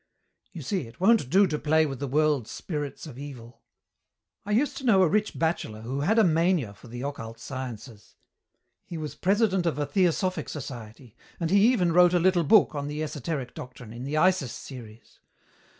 "You see it won't do to play with the world spirits of Evil. I used to know a rich bachelor who had a mania for the occult sciences. He was president of a theosophic society and he even wrote a little book on the esoteric doctrine, in the Isis series.